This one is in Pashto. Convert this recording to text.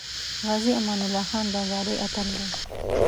غازی امان الله خان د ازادی اتل دی